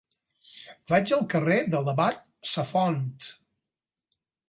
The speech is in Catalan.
Vaig al carrer de l'Abat Safont.